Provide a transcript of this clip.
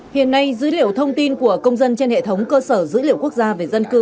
hiện nay dữ liệu thông tin của công dân trên hệ thống cơ sở dữ liệu quốc gia về dân cư